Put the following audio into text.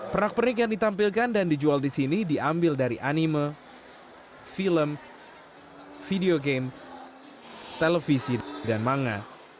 perak perik yang ditampilkan dan dijual di sini diambil dari anime film video game televisi dan manga